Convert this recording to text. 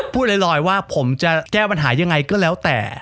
พูดลอยว่าผมจะแก้ปัญหายังไงก็แล้วแต่